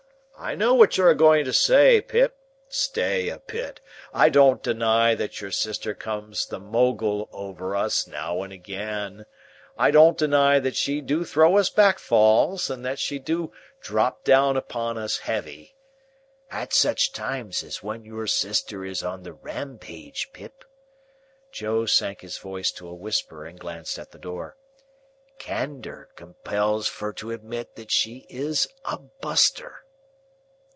I know what you're a going to say, Pip; stay a bit! I don't deny that your sister comes the Mo gul over us, now and again. I don't deny that she do throw us back falls, and that she do drop down upon us heavy. At such times as when your sister is on the Ram page, Pip," Joe sank his voice to a whisper and glanced at the door, "candour compels fur to admit that she is a Buster."